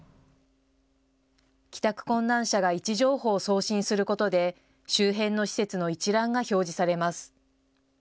帰宅困難者が位置情報を送信することで周辺の施設の一覧が表示されます。